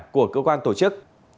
của cơ quan tổ chức